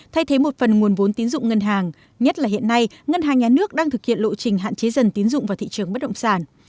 thay thế một phần nguồn vốn tín dụng ngân hàng nhất là hiện nay ngân hàng nhà nước đang thực hiện lộ trình hạn chế dần tín dụng vào thị trường bất động sản